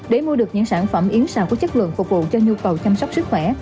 để mua được những sản phẩm yến xào có chất lượng phục vụ cho nhu cầu chăm sóc sức khỏe